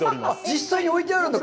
実際に置いてあるんだ。